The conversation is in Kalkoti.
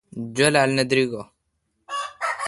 جولال نہ دریگہ۔